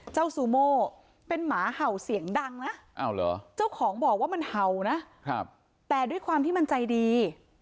ซูโม่เป็นหมาเห่าเสียงดังนะเจ้าของบอกว่ามันเห่านะแต่ด้วยความที่มันใจดี